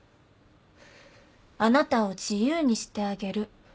「あなたを自由にしてあげる」